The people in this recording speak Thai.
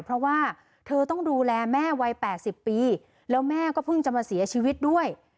เพราะว่าเธอต้องดูแลแม่วัย๘๐ปีแล้วแม่ก็เพิ่งจะมาเสียชีวิตด้วย